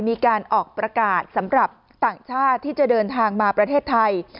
มีการออกประกาศสำหรับต่างชาติที่จะเดินทางมาประเทศไทย